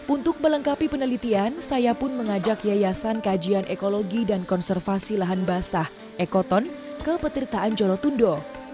untuk melengkapi penelitian saya pun mengajak yayasan kajian ekologi dan konservasi lahan basah ekoton ke petirtaan jolotundo